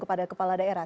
kepada kepala daerah